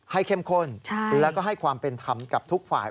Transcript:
เข้มข้นแล้วก็ให้ความเป็นธรรมกับทุกฝ่าย